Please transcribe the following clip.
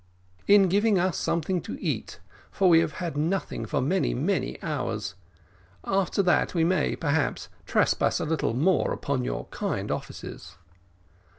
"In giving us something to eat, for we have had nothing for many, many hours. After that we may, perhaps, trespass a little more upon your kind offices."